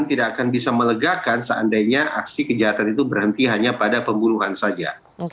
tidak akan bisa melegakan seandainya aksi kejahatan itu berhenti hanya pada pembunuhan saja